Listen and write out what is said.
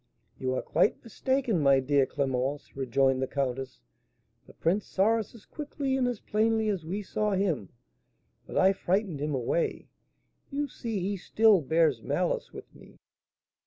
"You are quite mistaken, my dear Clémence," rejoined the countess; "the prince saw us as quickly and as plainly as we saw him, but I frightened him away; you see he still bears malice with me."